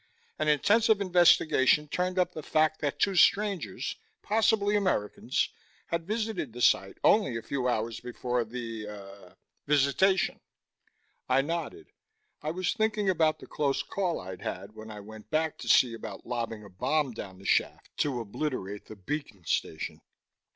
"An intensive investigation turned up the fact that two strangers possibly Americans had visited the site only a few hours before the ah visitation." I nodded. I was thinking about the close call I'd had when I went back to see about lobbing a bomb down the shaft to obliterate the beacon station.